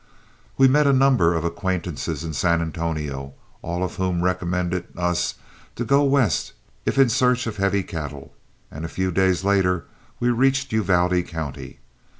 We met a number of acquaintances in San Antonio, all of whom recommended us to go west if in search of heavy cattle, and a few days later we reached Uvalde County.